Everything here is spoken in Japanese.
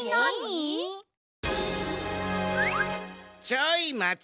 ちょいまち！